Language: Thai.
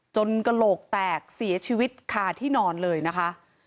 กระโหลกแตกเสียชีวิตคาที่นอนเลยนะคะ